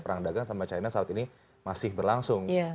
perang dagang sama china saat ini masih berlangsung